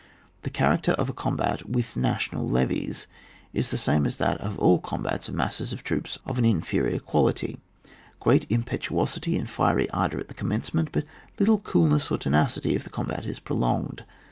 The character of a combat unth national levies is the same as that of all combats of masses of troops of an inferior quality, great impetuosity and fiery ardour at the commencement, but little coolness or tenacity if the combat is prolonged.